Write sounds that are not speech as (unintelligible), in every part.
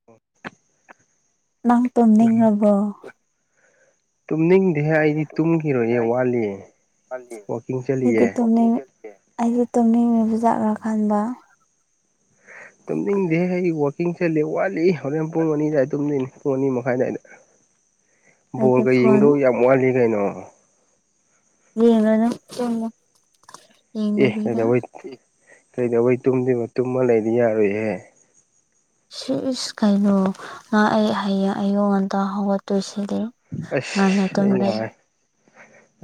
(unintelligible) ꯅꯪ ꯇꯨꯝꯅꯤꯡꯔꯕꯣ ꯇꯨꯝꯅꯤꯡꯗꯦꯍꯦ ꯑꯩꯗꯤ ꯇꯨꯝꯈꯤꯔꯣꯏꯌꯦ ꯋꯥꯠꯂꯤꯌꯦ ꯋꯥꯀꯤꯡ ꯆꯠꯂꯤꯌꯦ ꯎꯅꯤꯡ ꯑꯩꯗꯤ ꯇꯨꯝꯅꯤꯡꯔꯤꯕꯖꯥꯠꯂꯥ ꯈꯟꯕ ꯇꯨꯝꯅꯤꯡꯗꯦꯍꯦ ꯑꯩ ꯋꯥꯛꯀꯤꯡ ꯆꯠꯂꯤ ꯋꯥꯠꯂꯤ ꯍꯣꯔꯦꯟ ꯄꯨꯡ ꯑꯅꯤꯗꯥꯏ ꯇꯨꯝꯗꯣꯏꯅꯤ ꯄꯨꯡ ꯑꯅꯤ ꯃꯈꯥꯏ ꯑꯗꯥꯏꯗ ꯑꯩꯒꯤ ꯕꯣꯜꯒ ꯐꯣꯟ ꯌꯦꯡꯗꯧ ꯌꯥꯝ ꯋꯥꯠꯂꯤ ꯀꯩꯅꯣ ꯌꯦꯡꯉꯅꯨ ꯇꯨꯝꯃꯣ ꯑꯦ ꯀꯩꯗꯧꯕꯩ ꯀꯩꯗꯧꯕꯩ ꯇꯨꯝꯗꯣꯏꯕ ꯇꯨꯝꯃ ꯂꯩꯗꯤ ꯌꯥꯔꯣꯏꯍꯦ ꯁꯤꯏꯁ ꯀꯩꯅꯣ ꯉꯥ ꯑꯩ ꯍꯌꯦꯡ ꯑꯌꯨ ꯉꯟꯇꯥ ꯍꯧꯒꯠꯇꯣꯏꯁꯤꯗꯤ ꯑꯁ ꯉꯟꯅ ꯑꯩꯅ ꯍꯥꯏ ꯇꯨꯝꯗ꯭ꯔꯗꯤ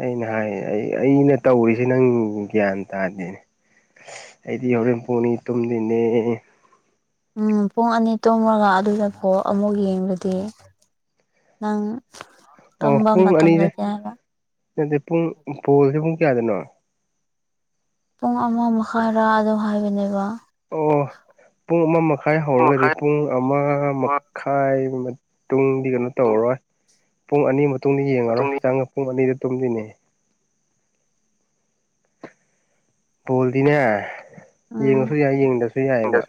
ꯑꯩꯅ ꯍꯥꯏꯌꯦ ꯑꯩ ꯑꯩꯅ ꯇꯧꯔꯤꯁꯦ ꯅꯪ ꯒ꯭ꯌꯥꯟ ꯇꯥꯗꯦꯅꯦ ꯑꯩꯗꯤ ꯍꯣꯔꯦꯟ ꯄꯨꯡ ꯑꯅꯤ ꯇꯨꯝꯗꯦꯅꯦ ꯎꯝ ꯄꯨꯡ ꯑꯅꯤ ꯇꯨꯝꯔꯒ ꯑꯗꯨꯗ ꯐꯣꯜ ꯑꯃꯨꯛ ꯌꯦꯡꯔꯗꯤ ꯅꯪ ꯇꯨꯝꯕ ꯃꯇꯝ ꯂꯩꯇꯦ ꯍꯥꯏꯕ ꯅꯗꯦ ꯄꯨꯡ ꯕꯣꯜꯁꯦ ꯄꯨꯡ ꯀꯌꯥꯗꯅꯣ ꯄꯨꯡ ꯑꯃ ꯃꯈꯥꯏꯔꯥ ꯑꯗꯨ ꯍꯥꯏꯕꯅꯦꯕ ꯑꯣ ꯄꯨꯡ ꯑꯃ ꯃꯈꯥꯏ ꯍꯧꯔꯒꯗꯤ ꯄꯨꯡ ꯑꯃ ꯃꯛ ꯈꯥꯏ ꯃꯇꯨꯡꯗꯤ ꯀꯩꯅꯣ ꯇꯧꯔꯣꯏ ꯄꯨꯡ ꯑꯅꯤ ꯃꯇꯨꯡꯗ ꯌꯦꯡꯉꯔꯣꯏ ꯆꯪꯉ ꯄꯨꯡ ꯑꯅꯤꯗ ꯇꯨꯝꯗꯨꯏꯅꯦ ꯕꯣꯜꯗꯤꯅꯦ ꯎꯝ ꯌꯦꯡꯉꯁꯨ ꯌꯥꯏ ꯌꯦꯡꯗꯁꯨ ꯌꯥꯏꯌꯦꯕ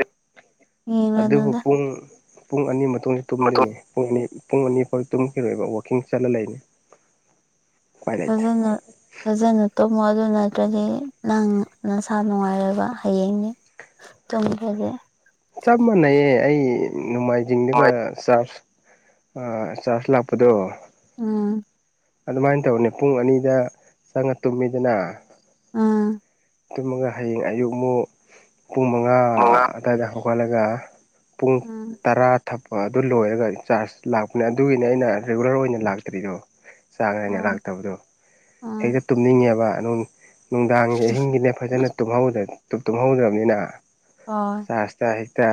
ꯑꯗꯨꯕꯨ ꯌꯦꯡꯂꯅꯨꯗ ꯄꯨꯡ ꯄꯨꯡ ꯑꯅꯤ ꯇꯨꯝꯗꯣꯏꯅꯦ ꯄꯨꯡ ꯑꯅꯤ ꯄꯨꯡ ꯑꯅꯤ ꯐꯥꯎ ꯇꯨꯝꯈꯤꯔꯣꯏꯕ ꯋꯥꯛꯀꯤꯡ ꯆꯠꯂ ꯂꯩꯅꯤ ꯎꯄꯥꯏ ꯂꯩꯇꯦ ꯐꯖꯅ ꯐꯖꯅ ꯇꯨꯝꯃꯣ ꯑꯗꯨ ꯅꯠꯇ꯭ꯔꯗꯤ ꯅꯪ ꯅꯁꯥ ꯅꯨꯡꯉꯥꯏꯔꯣꯏꯕ ꯍꯌꯦꯡꯅꯤ ꯇꯨꯝꯈꯔ꯭ꯗꯤ ꯆꯞ ꯃꯥꯟꯅꯩꯌꯦ ꯑꯩ ꯅꯣꯡꯃꯥꯏꯖꯤꯡꯗꯨꯒ ꯆꯥꯔꯆ ꯑ ꯆꯥꯔꯖ ꯂꯥꯛꯄꯗꯣ ꯎꯝ ꯑꯗꯨꯃꯥꯏꯅ ꯇꯧꯅꯤ ꯄꯨꯡ ꯑꯅꯤꯗ ꯆꯪꯉ ꯇꯨꯝꯃꯤꯗꯅ ꯑꯥ ꯇꯨꯝꯃꯒ ꯍꯌꯦꯡ ꯑꯌꯨꯛꯃꯨꯛ ꯄꯨꯡ ꯃꯉꯥ ꯑꯗꯨꯋꯥꯏꯗ ꯍꯧꯒꯠꯂꯒ ꯄꯨꯡ ꯎꯝ ꯇꯔꯥ ꯊꯛꯄ ꯑꯗꯨ ꯂꯣꯏꯔꯒ ꯆꯥꯔꯖ ꯂꯥꯛꯄꯅꯦ ꯑꯗꯨꯒꯤꯅꯦ ꯑꯩꯅ ꯔꯤꯒꯨꯂꯔ ꯑꯣꯏꯅ ꯂꯥꯛꯇ꯭ꯔꯤꯗꯣ ꯆꯥꯡ ꯅꯥꯏꯅꯥ ꯑꯣ ꯂꯥꯛꯇꯕꯗꯣ ꯎꯝ ꯍꯦꯛꯇ ꯇꯨꯝꯅꯤꯡꯉꯦꯕ ꯑꯗꯨ ꯅꯨꯡꯗꯥꯡꯒꯤ ꯑꯍꯤꯡꯒꯤꯅꯦ ꯐꯖꯅ ꯇꯨꯝꯍꯧꯗ꯭ꯔ ꯇꯨꯃꯍꯧꯗꯕꯅꯤꯅ (unintelligible) ꯍꯤꯛꯇ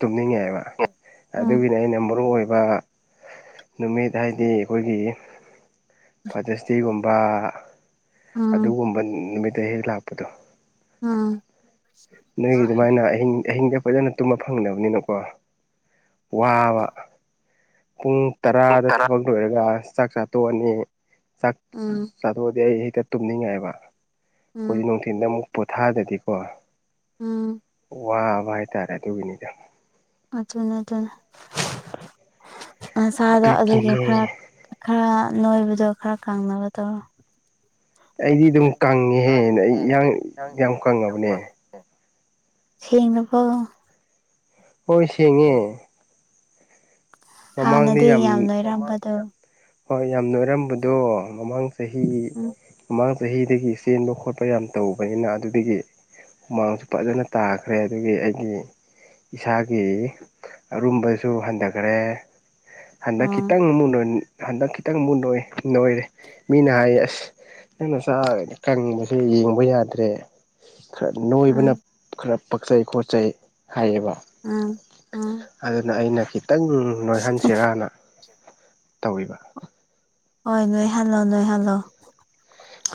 ꯇꯨꯝꯅꯤꯡꯉꯦꯕ ꯎꯝ ꯑꯗꯨꯒꯤꯅꯦ ꯑꯩꯅ ꯃꯔꯨ ꯑꯣꯏꯕ ꯅꯨꯃꯤꯠ ꯍꯥꯏꯗꯤ ꯑꯈꯣꯏꯒꯤ ꯐꯥꯗꯔꯁꯗꯦꯒꯨꯝꯕ ꯎꯝ ꯑꯗꯨꯒꯨꯝꯕ ꯅꯨꯃꯤꯠꯇ ꯍꯦꯛ ꯂꯥꯛꯄꯗꯣ ꯎꯝ ꯅꯣꯏꯒꯤ ꯑꯗꯨꯃꯥꯏꯅ ꯑꯍꯤꯡ ꯑꯍꯤꯡꯗ ꯐꯖꯅ ꯇꯨꯝꯕ ꯐꯪꯗꯕꯅꯤꯅꯀꯣ ꯋꯥꯕ ꯄꯨꯡ ꯇꯔꯥꯗ ꯊꯕꯛ ꯂꯣꯏꯔꯒ ꯆꯥꯛꯆꯥ ꯇꯣꯛꯑꯅꯤ ꯆꯥꯛ ꯎꯝ ꯆꯥꯊꯣꯛꯑꯗꯤ ꯑꯩ ꯍꯦꯛꯇ ꯇꯨꯝꯅꯤꯡꯉꯛꯑꯦꯕ ꯑꯈꯣꯏꯗꯤ ꯎꯝ ꯅꯨꯡꯊꯤꯟꯗ ꯑꯃꯨꯛ ꯄꯣꯊꯥꯗꯗꯤꯀꯣ ꯎꯝ ꯋꯥꯕ ꯍꯥꯏꯇꯥꯔꯦ ꯑꯗꯨꯒꯤꯅꯤꯗ ꯑꯗꯨꯅꯦ ꯑꯗꯨꯅꯦ ꯅꯁꯥꯗꯣ ꯑꯗꯨꯒꯤ ꯑꯗꯨꯒꯤꯅꯦ ꯈꯔ ꯈꯔ ꯅꯣꯏꯕꯗꯣ ꯈꯔ ꯀꯥꯡꯅꯕ ꯇꯧꯔꯣ ꯑꯩꯗꯤ ꯑꯗꯨꯝ ꯀꯪꯉꯦꯍꯦ ꯑꯩ ꯏꯔꯥꯡ ꯌꯥꯝ ꯀꯪꯉꯕꯅꯦ ꯁꯦꯡꯂꯥꯕꯣ ꯍꯣꯏ ꯁꯦꯡꯉꯦ ꯍꯥꯟꯅꯗꯤ ꯌꯥꯝ ꯅꯣꯏꯔꯝꯕꯗꯣ ꯍꯣꯏ ꯌꯥꯝ ꯅꯣꯏꯔꯝꯕꯗꯣ ꯃꯃꯥꯡ ꯆꯍꯤ ꯎꯝ ꯃꯃꯥꯡ ꯆꯍꯤꯗꯒꯤ ꯆꯦꯟꯕ ꯈꯣꯠꯄ ꯌꯥꯝ ꯇꯧꯕꯅꯤꯅ ꯑꯗꯨꯗꯒꯤ ꯍꯨꯃꯥꯡꯁꯨ ꯐꯖꯅ ꯇꯥꯈ꯭ꯔꯦ ꯑꯗꯨꯒꯤ ꯑꯩꯒꯤ ꯏꯁꯥꯒꯤ ꯑꯔꯨꯝꯕꯁꯨ ꯍꯟꯙꯥꯒꯔꯦ ꯍꯟꯗꯛ ꯑꯥ ꯈꯤꯇꯪ ꯑꯃꯨꯛ ꯅꯣꯏ ꯍꯟꯗꯛ ꯈꯤꯇꯪ ꯑꯃꯨꯛ ꯅꯣꯏ ꯅꯣꯏꯔꯦ ꯃꯤꯅ ꯍꯥꯏꯌꯦ ꯑꯁ ꯅꯪ ꯅꯆꯥ ꯀꯪꯕꯁꯦ ꯌꯦꯡꯕ ꯌꯥꯗ꯭ꯔꯦ ꯈꯔ ꯅꯣꯏꯕꯅ ꯎꯝ ꯈꯔ ꯄꯛꯆꯩ ꯈꯣꯠꯆꯩ ꯍꯥꯏꯌꯦꯕ ꯎꯝ ꯎꯝ ꯑꯗꯨꯅ ꯑꯩꯅ ꯈꯤꯇꯪ ꯅꯣꯏꯍꯟꯁꯤꯔꯥꯅ ꯇꯧꯔꯤꯕ ꯍꯣꯏ ꯅꯣꯏꯍꯟꯂꯣ ꯂꯣꯏꯍꯟꯂꯣ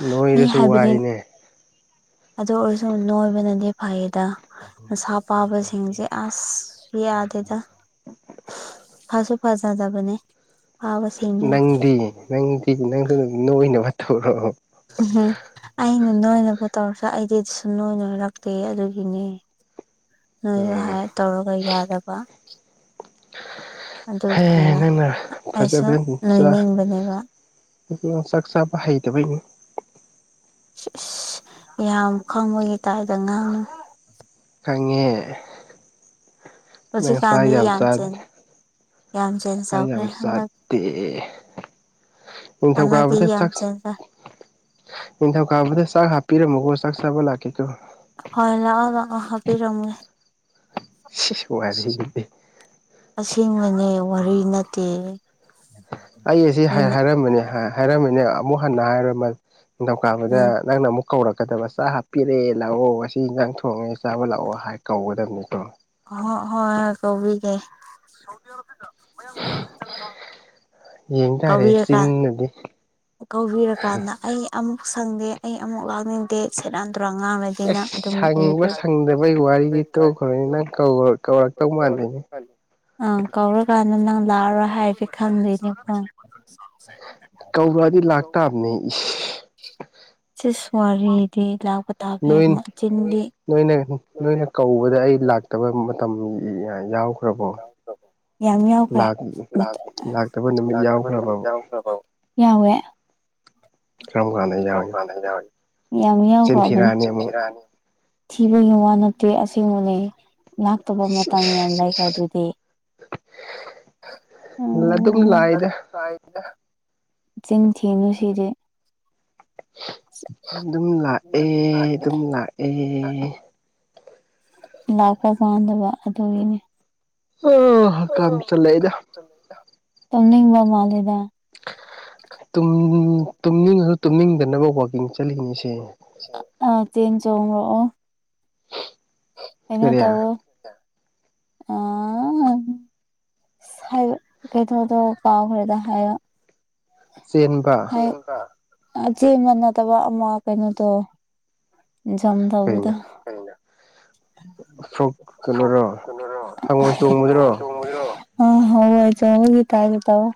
ꯅꯣꯏꯔꯁꯨ ꯋꯥꯏꯅꯦ ꯑꯗꯨ ꯑꯣꯏꯔꯁꯨ ꯅꯣꯏꯕꯅꯗꯤ ꯐꯩꯗ ꯃꯁꯥ ꯄꯥꯕꯁꯤꯡꯁꯦ ꯑꯁ ꯌꯥꯗꯦꯗ ꯐꯁꯨ ꯐꯖꯗꯕꯅꯦ ꯐꯥꯕꯁꯨ ꯅꯪꯗꯤ ꯅꯪꯗꯤ ꯅꯪꯗꯨ ꯅꯣꯏꯅꯕ ꯇꯧꯔꯑꯣ ꯍꯨꯍꯨ ꯑꯩꯅ ꯅꯣꯏꯅꯕ ꯇꯧꯔꯁꯨ ꯑꯩꯗꯤ ꯁꯨꯅꯣꯏ ꯅꯣꯏꯔꯛꯇꯦ ꯑꯗꯨꯒꯤꯅꯦ ꯅꯣꯏꯌꯨ ꯎꯝ ꯍꯥꯏ ꯇꯧꯔꯒ ꯌꯥꯗꯕ ꯍꯦ ꯑꯗꯨꯒꯤꯅꯤꯗ ꯅꯪꯅ ꯑꯩꯁꯨ ꯐꯖꯕꯦꯅꯤ ꯆꯥ ꯅꯣꯏꯅꯤꯡꯕꯅꯦꯕ ꯏꯗꯤꯉꯣ ꯆꯥꯛ ꯆꯥꯕ ꯍꯩꯇꯕꯩꯅꯤ ꯑꯁ ꯏꯁ ꯌꯥꯝ ꯈꯪꯕꯒꯤ ꯇꯥꯏꯞꯗ ꯉꯥꯡꯅ ꯈꯪꯉꯦ ꯅꯪ ꯆꯥ ꯍꯧꯖꯤꯛꯀꯥꯟꯗꯤ ꯌꯥꯝ ꯆꯥꯗꯦ ꯆꯦꯟ ꯌꯥꯝ ꯆꯦꯟꯖ ꯆꯥ ꯌꯥꯝ ꯇꯧꯈ꯭ꯔꯦ ꯍꯟꯗꯛ ꯆꯥꯗꯦ ꯍꯥꯟꯅꯗꯤ ꯅꯤꯡꯊꯧꯀꯥꯕꯗꯥ ꯌꯥꯝ ꯆꯥꯛꯁ ꯆꯦꯟꯖ ꯅꯤꯡꯊꯧꯀꯥꯕꯗ ꯆꯥꯛ ꯍꯥꯞꯄꯤꯔꯝꯃꯣꯒꯣ ꯆꯥꯛ ꯆꯥꯕ ꯂꯥꯛꯀꯦꯀꯣ ꯍꯣꯏ ꯂꯥꯛꯑꯣ ꯂꯥꯛꯑꯣ ꯍꯥꯞꯄꯤꯔꯝꯒꯦ ꯁꯤꯁ ꯋꯥꯔꯤꯒꯗꯤ ꯑꯁꯦꯡꯕꯅꯦ ꯋꯥꯔꯤ ꯅꯠꯇꯦ ꯑꯩ ꯑꯁꯤ ꯍꯥꯏ ꯃꯤꯅ ꯍꯥꯏꯔꯝꯕꯅꯦ ꯍꯥꯏ ꯍꯥꯏꯔꯝꯕꯅꯦ ꯑꯃꯨꯛ ꯍꯟꯅ ꯍꯥꯏꯔ ꯃꯟ ꯅꯤꯡꯊꯧꯀꯥꯕꯗ ꯎꯝ ꯅꯪꯅ ꯑꯃꯨꯛ ꯀꯧꯔꯛꯀꯗꯕ ꯆꯥꯛ ꯍꯥꯞꯄꯤꯔꯦ ꯂꯥꯛꯑꯣ ꯑꯁꯤ ꯏꯟꯖꯥꯡ ꯊꯣꯡꯉꯦ ꯆꯥꯕ ꯂꯥꯛꯑꯣ ꯍꯥꯏ ꯀꯧꯒꯗꯕꯅꯤꯀꯣ ꯍꯣ ꯍꯣꯏ ꯀꯣꯕꯤꯒꯦ ꯌꯦꯡ ꯇꯥꯔꯦ ꯆꯤꯟꯅꯗꯤ ꯀꯧꯕꯤꯔꯀꯥꯟꯗ ꯑꯩ ꯑꯃꯨꯛ ꯁꯪꯗꯦ ꯑꯩ ꯑꯃꯨꯛ ꯂꯥꯛꯅꯤꯡꯗꯦ ꯁꯦꯔꯥꯟ ꯇꯨꯔꯥꯟ ꯉꯥꯡ ꯂꯩ ꯑꯁ ꯁꯪꯕ ꯁꯪꯗꯕꯩ ꯋꯥꯔꯤ ꯇꯣꯛꯈ꯭ꯔꯣꯅꯦ ꯅꯪ ꯀꯧꯔꯣꯏ ꯀꯧꯔꯛꯇꯧ ꯃꯥꯟꯗꯦꯅꯦ ꯑꯪ ꯀꯧꯔꯀꯥꯟꯗ ꯅꯪ ꯂꯥꯛꯑꯔꯣꯏ ꯍꯥꯏꯒꯦ ꯈꯪꯗꯣꯏꯅꯦ ꯀꯣ (unintelligible) ꯀꯧꯔꯛꯑꯗꯤ ꯂꯥꯛꯇꯥꯕꯅꯦ ꯏ ꯆꯤꯁ ꯋꯥꯔꯤꯗꯤ ꯂꯥꯛꯄ ꯇꯥꯕꯦ ꯅꯣꯏ ꯃ ꯆꯤꯟꯗꯤ ꯅꯣꯏꯅ ꯅꯣꯏꯅ ꯀꯧꯕꯗ ꯑꯩ ꯂꯥꯛꯇꯕ ꯃꯇꯝ ꯌ ꯌꯥꯎꯈ꯭ꯔꯕꯣ ꯌꯥꯝ ꯌꯥꯎꯈ꯭ꯔꯦ ꯂꯥꯛ ꯂꯥꯛꯇꯕ ꯅꯨꯃꯤꯠ ꯂꯥꯛꯇꯕ ꯅꯨꯃꯤꯠ ꯌꯥꯎꯈ꯭ꯔꯕꯕ ꯌꯥꯎꯈꯔ꯭ꯕꯣ ꯌꯥꯎꯋꯦ ꯀꯔꯝ ꯀꯥꯟꯗ ꯀꯔꯝ ꯌꯥꯎꯔꯤꯕ ꯀꯥꯟꯗ ꯌꯥꯎꯔꯤ ꯌꯥꯝ ꯌꯥꯎꯈ꯭ꯔꯕꯅꯦ ꯆꯤꯟꯊꯤꯔꯛꯑꯅꯤ ꯆꯤꯟ ꯑꯃꯨꯛ ꯊꯤꯔꯛ ꯑꯅꯤ ꯊꯤꯕꯒꯤ ꯋꯥ ꯅꯠꯇꯦ ꯑꯁꯦꯡꯕꯅꯦ ꯂꯥꯛꯇꯕ ꯃꯇꯝ ꯌꯥꯝ ꯂꯩꯗ ꯑꯗꯨꯗꯤ ꯑꯗꯨꯝ ꯎꯝ ꯂꯥꯛꯏꯗ ꯆꯤꯟ ꯊꯤꯅꯨ ꯁꯤꯗꯤ ꯗꯨꯝ ꯂꯥꯛꯑꯦ ꯗꯨꯝ ꯂꯥꯛꯑꯦ ꯂꯥꯛꯄ ꯄꯥꯟꯗꯕ ꯑꯗꯨꯒꯤꯅꯤ ꯍꯣ ꯇꯨꯝꯅꯤꯡꯕ ꯃꯥꯜꯂꯦꯗ ꯇꯨꯝ ꯇꯨꯝꯅꯤꯡꯉꯁꯨ ꯇꯨꯝꯅꯤꯡꯗꯅꯕ ꯋꯥꯛꯀꯤꯡ ꯆꯠꯂꯤꯅꯦ ꯁꯦ ꯑꯥ ꯆꯦꯟ ꯆꯣꯡꯉꯛꯑꯣ ꯀꯩꯅꯣ ꯀꯔꯤ ꯇꯧꯔꯣ ꯑ ꯍꯥ ꯁꯥꯏꯔꯨ ꯀꯩꯅꯣꯗꯣ ꯀꯥꯎꯈ꯭ꯔꯦꯗ ꯍꯥꯏꯌ ꯆꯦꯟꯕ ꯑꯩ ꯑ ꯆꯦꯟꯕ ꯅꯠꯇꯕ ꯑꯃ ꯀꯩꯅꯣꯗꯣ ꯖꯝ ꯇꯧꯕꯗꯣ ꯀꯩꯅꯣ ꯐ꯭ꯔꯣꯛ ꯁꯣꯛ ꯀꯩꯅꯣꯔꯣ ꯀꯩꯅꯣꯔꯣ ꯍꯦ ꯍꯪꯉꯣꯏ ꯍꯦ ꯆꯣꯡꯕꯗꯨꯔꯣ ꯍꯪꯉꯣꯏ ꯆꯣꯡꯉꯨꯖꯤꯔꯣ ꯎꯝ ꯍꯪꯉꯣꯏ ꯆꯣꯡꯕꯒꯤ ꯇꯥꯏꯞꯇ ꯇꯧꯋꫭ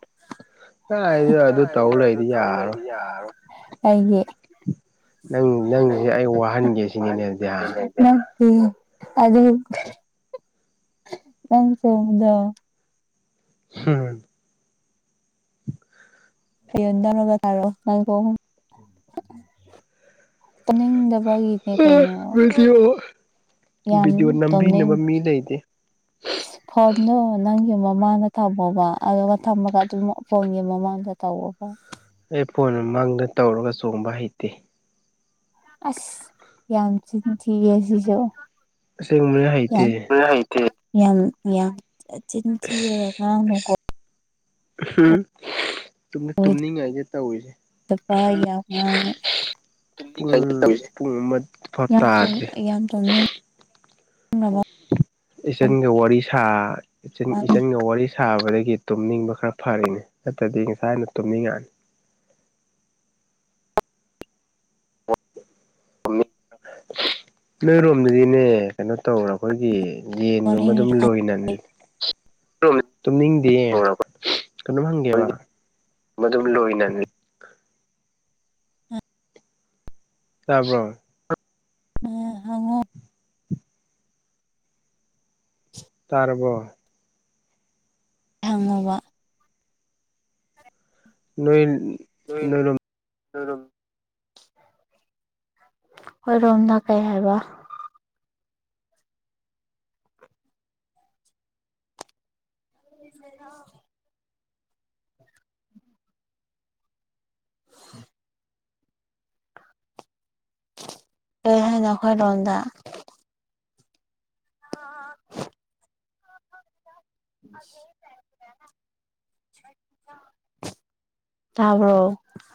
ꯍ ꯀꯥꯏꯗ ꯑꯗꯨ ꯇꯧ ꯀꯥꯏꯌ ꯑꯗꯨ ꯂꯩꯗꯤ ꯇꯧ ꯌꯥꯔꯣꯏ ꯂꯩꯗꯤ ꯌꯥꯔꯔꯣꯏ ꯀꯩꯒꯤ ꯅꯪ ꯅꯪꯖꯦ ꯑꯩ ꯋꯥꯍꯟꯒꯦ ꯁꯤꯅꯤꯅꯦ ꯑꯗꯨꯗꯤ ꯍꯥꯥ ꯅꯠꯇꯦ ꯑꯗꯨ ꯅꯪ ꯐꯣꯟꯗꯣ ꯍꯝ (unintelligible) ꯇꯨꯝꯅꯤꯡꯗꯕꯒꯤꯅꯦ ꯀꯩꯅꯣ ꯚꯤꯗꯤꯑꯣ ꯌꯥꯝ ꯇꯣꯝꯅꯤꯡ ꯅꯤꯗꯦ ꯑꯩꯗꯤ (unintelligible) ꯐꯣꯟꯗꯣ ꯅꯪꯒꯤ ꯃꯃꯥꯡꯗ ꯊꯝꯃꯣꯕ ꯑꯗꯨꯒ ꯊꯝꯃꯒ ꯑꯗꯨꯝ ꯐꯣꯟꯒꯤ ꯃꯃꯥꯡꯗ ꯇꯋꯣꯕ ꯑꯩ ꯐꯣꯟ ꯃꯃꯥꯡꯗ ꯇꯧꯔꯒ ꯆꯣꯡꯕ ꯍꯩꯇꯦ ꯑꯁ ꯌꯥꯝ ꯆꯤꯟ ꯊꯤꯌꯦ ꯁꯤꯁꯨ ꯑꯁꯦꯡꯕꯅ ꯌꯥꯝ ꯍꯩꯇꯦ (unintelligible) ꯌꯥꯝ ꯌꯥꯝ ꯆꯤꯟ ꯊꯤꯔꯒ ꯑꯁ ꯉꯥꯡꯅꯨꯀꯣ (unintelligible) ꯇꯨꯝꯅꯤꯡꯉꯥꯏꯅꯦ ꯇꯧꯔꯤꯁꯦ (unintelligible) ꯌꯥꯝ ꯄꯨꯡ ꯉꯥꯡꯉꯦ ꯄꯨꯡ ꯑꯃ ꯐꯥꯎ ꯇꯥꯗ꯭ꯔꯤ (unintelligible) ꯌꯥꯝ ꯇꯨꯝꯅꯤꯡ ꯔꯕꯣ ꯏꯆꯟꯒ ꯋꯥꯔꯤ ꯁꯥ ꯏꯆ ꯏꯆꯟꯒ ꯋꯥꯔꯤ ꯁꯥꯕꯗꯒꯤ ꯇꯨꯝꯅꯤꯡꯕ ꯈꯔ ꯐꯔꯤꯅꯦ ꯅꯠꯇ꯭ꯔꯗꯤ ꯉꯁꯥꯏꯅ ꯇꯨꯝꯅꯤꯡꯉꯛꯑꯅꯤ (unintelligible) ꯅꯣꯏꯔꯣꯝꯗꯗꯤꯅꯦ ꯀꯩꯅꯣ ꯇꯧꯔ ꯈꯣꯏꯒꯤ ꯌꯦꯟꯒꯨꯝꯕ ꯗꯨꯝ ꯂꯣꯏꯅ ꯇꯨꯝꯅꯤꯡꯗꯦ ꯀꯩꯅꯣꯝ ꯍꯪꯒꯦꯕ ꯃꯗꯨꯝ ꯂꯣꯏꯅ ꯇꯥꯕ꯭ꯔꯣ ꯎꯝ ꯍꯪꯉꯣ ꯇꯥꯔꯕꯣ ꯍꯪꯉꯣꯕ ꯅꯣꯏ ꯅꯣꯏꯟ ꯅꯣꯏ (unintelligible) ꯍꯣꯏ ꯔꯣꯝꯅ ꯀꯩ ꯍꯥꯏꯕ (unintelligible) (unintelligible) ꯀꯩ ꯍꯥꯏꯅꯣ ꯑꯈꯣꯏ ꯔꯣꯝꯗ ꯇꯥꯕ꯭ꯔꯣ